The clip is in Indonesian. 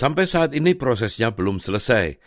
sampai saat ini prosesnya belum selesai